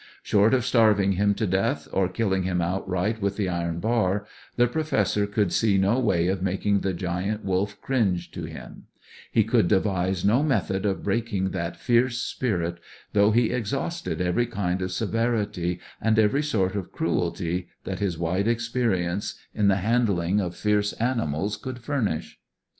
Short of starving him to death, or killing him outright with the iron bar, the Professor could see no way of making the Giant Wolf cringe to him; he could devise no method of breaking that fierce spirit, though he exhausted every kind of severity and every sort of cruelty that his wide experience in the handling of fierce animals could furnish.